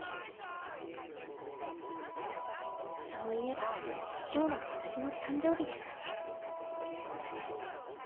そういえば今日は私の誕生日でしたね。